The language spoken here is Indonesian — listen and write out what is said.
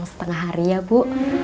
setengah hari ya bu